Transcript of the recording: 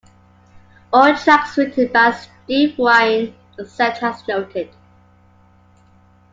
All tracks written by Steve Wynn except as noted.